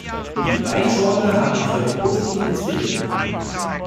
Die Weinschorle haben mich heute positiv inspiriert.